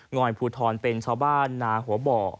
อยภูทรเป็นชาวบ้านนาหัวบ่อ